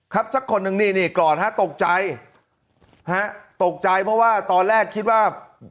สักคนหนึ่งนี่นี่ก่อนฮะตกใจฮะตกใจเพราะว่าตอนแรกคิดว่า